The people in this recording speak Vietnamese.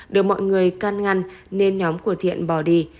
được mọi người can ngăn nên nhóm của thiện bỏ đi